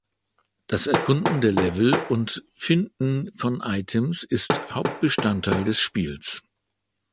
Das Erkunden der Level und Finden von Items ist Hauptbestandteil des Spiels.